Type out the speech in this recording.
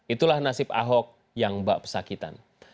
itulah nasib ahok yang bak pesakitan